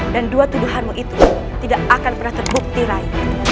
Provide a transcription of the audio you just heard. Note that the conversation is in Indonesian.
dan dua tuduhanmu itu tidak akan pernah terbukti rai